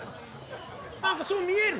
何かそう見える。